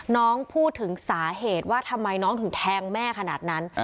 น้องพูดถึงสาเหตุว่าทำไมน้องถึงแทงแม่ขนาดนั้น